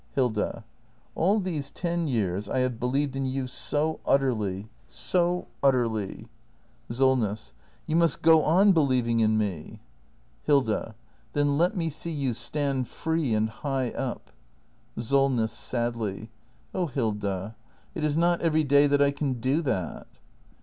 Hilda. All these ten years I have believed in you so utterly — so utterly. Solness. You must go on believing in me! 428 THE MASTER BUILDER [act hi Hilda. Then let me see you stand free and high up! SOLNESS. [Sadly.] Oh Hilda — it is not every day that I can do that.